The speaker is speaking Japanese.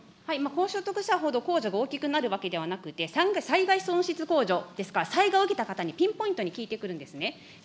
高所得者ほど控除が大きくなるわけではなくて、災害損失控除ですから、災害を受けた方にピンポイントに効いてくるんですね。